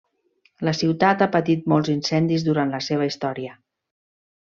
La ciutat ha patit molts incendis durant la seva història.